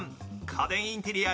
家電・インテリア